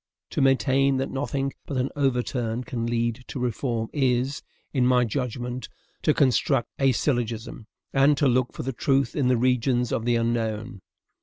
To maintain that nothing but an overturn can lead to reform is, in my judgment, to construct a syllogism, and to look for the truth in the regions of the unknown.